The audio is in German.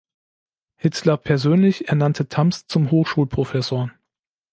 Hitler persönlich ernannte Tamms zum Hochschulprofessor.